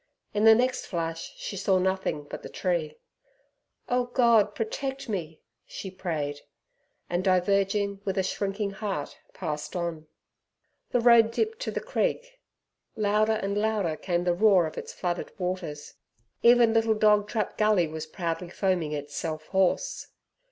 In the next flash she saw nothing but the tree. "Oh, God, protect me!" she prayed, and diverging, with a shrinking heart passed on. The road dipped to the creek. Louder and louder came the roar of its flooded waters. Even little Dog trap Gully was proudly foaming itself hoarse.